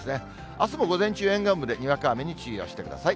あすも午前中、沿岸部でにわか雨に注意をしてください。